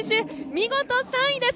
見事、３位です。